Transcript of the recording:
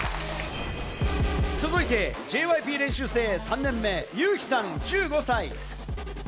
続いて、ＪＹＰ練習生３年目、ユウヒさん、１５歳。